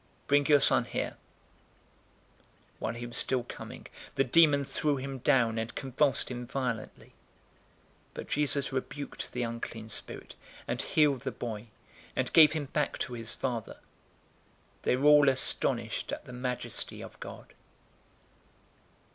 Bring your son here." 009:042 While he was still coming, the demon threw him down and convulsed him violently. But Jesus rebuked the unclean spirit, and healed the boy, and gave him back to his father. 009:043 They were all astonished at the majesty of God.